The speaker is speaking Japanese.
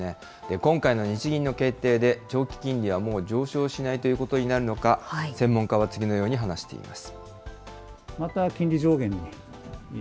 今回の日銀の決定で、長期金利はもう上昇しないということになるのか、専門家は次のように話しています。